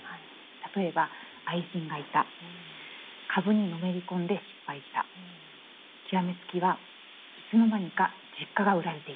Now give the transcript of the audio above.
例えば愛人がいた株にのめり込んで失敗した極め付きはいつの間にか実家が売られていた。